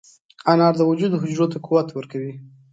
انار د وجود حجرو ته قوت ورکوي.